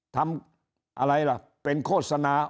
ทำอะไรล่ะเป็นโฆษณา